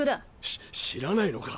し知らないのか？